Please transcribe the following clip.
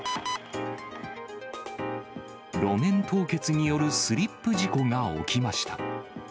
路面凍結によるスリップ事故が起きました。